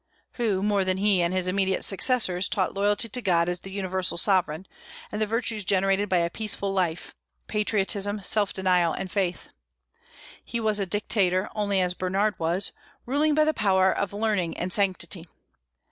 Who, more than he and his immediate successors, taught loyalty to God as the universal Sovereign, and the virtues generated by a peaceful life, patriotism, self denial, and faith? He was a dictator only as Bernard was, ruling by the power of learning and sanctity.